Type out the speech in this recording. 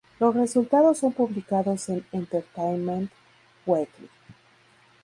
Los resultados son publicados en "Entertainment Weekly.